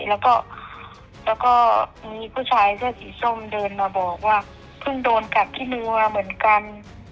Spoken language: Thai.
แล้วก็มีผู้ชายเสื้อสีส้มเดินมาบอกว่าเพิ่งโดนกัดที่นัวเหมือนกัน